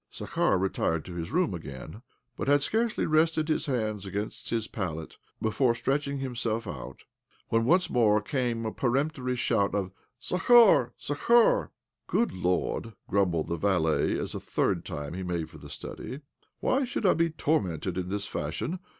Zakhar retired to his room again, but had scarcely rested his hands against his pallet before stretching himself out, when once more there came a peremptory shout of "Zakhar! Zakhar!" " Good Lord !" grumbled the valet as a third time he made for the study. " Whjy should I be tormented in this fashion?